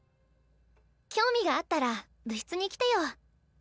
興味があったら部室に来てよ。